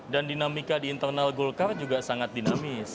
dan dinamika di internal gulkar juga sangat dinamis